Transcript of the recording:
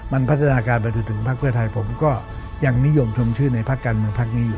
มันพัฒนาการไปจนถึงพักเพื่อไทยผมก็ยังนิยมชมชื่อในภาคการเมืองพักนี้อยู่